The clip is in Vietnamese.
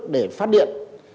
để phát điện